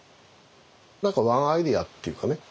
何かワンアイデアっていうかね